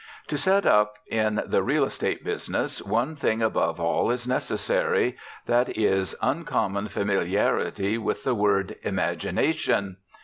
To set up in the real estate business one thing above all else is necessary, that is uncommon familiarity with the word "imagination."